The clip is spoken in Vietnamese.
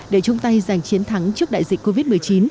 để chung tay giành chiến thắng trước đại dịch covid một mươi chín